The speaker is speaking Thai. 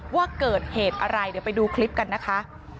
ว่าเกิดเหตุอะไรเดี๋ยวไปดูคลิปกันนะคะ